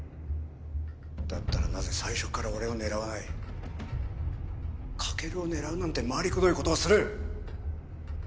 だったらなぜ最初から俺を狙わない駆を狙うなんて回りくどいことをする？